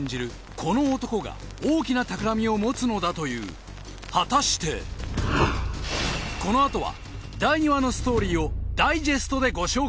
この男が大きなたくらみを持つのだという果たしてこのあとは第２話のストーリーをダイジェストでご紹介